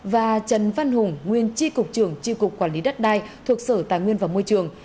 và trần văn hùng nguyên tri cục trưởng tri cục quản lý đất đai thuộc sở tài nguyên và môi trường